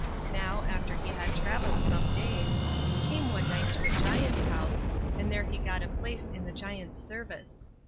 Now, after he had travelled some days, he came one night to a Giant's house, and there he got a place in the Giant's service.